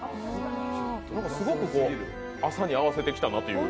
すごく朝に合わせてきたなという。